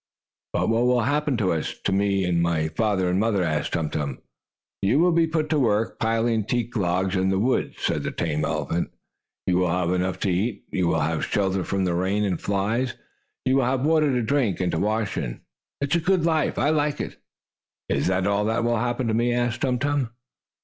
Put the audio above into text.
"But what will happen to us to me and my father and mother?" asked Tum Tum. "You will be put to work, piling teak logs in the woods," said the tame elephant. "You will have enough to eat, you will have shelter from the rain and the flies. You will have water to drink and to wash in. It is a good life. I like it." "Is that all that will happen to me?" asked Tum Tum.